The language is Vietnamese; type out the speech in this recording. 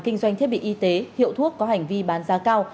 kinh doanh thiết bị y tế hiệu thuốc có hành vi bán giá cao